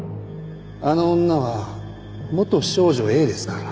あの女は元少女Ａですから。